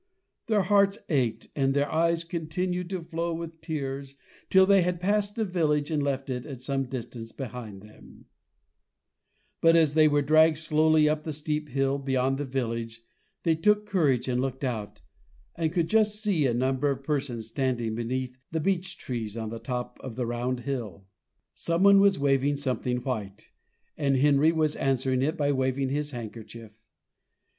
Their hearts ached, and their eyes continued to flow with tears, till they had passed the village and left it at some distance behind them; but as they were dragged slowly up the steep hill, beyond the village, they took courage and looked out, and could just see a number of persons standing beneath the beech trees on the top of the round hill. Someone was waving something white, and Henry was answering it by waving his handkerchief.